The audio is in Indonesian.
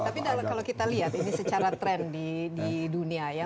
tapi kalau kita lihat ini secara trend di dunia ya